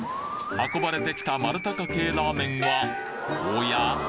運ばれてきた丸系ラーメンはおや？